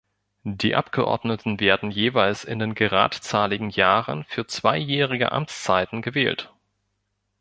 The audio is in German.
Die Abgeordneten werden jeweils in den geradzahligen Jahren für zweijährige Amtszeiten gewählt.